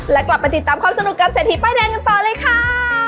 และกลับไปติดตามความสนุกกับเศรษฐีป้ายแดงกันต่อเลยค่ะ